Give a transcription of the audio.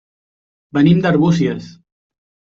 Venim d'Arbúcies.